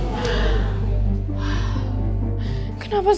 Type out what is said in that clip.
gue akan menempel berubah